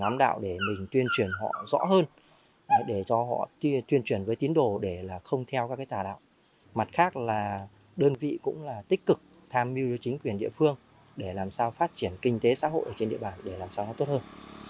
mặt khác là đơn vị cũng là tích cực tham mưu cho chính quyền địa phương để làm sao phát triển kinh tế xã hội ở trên địa bàn để làm sao nó tốt hơn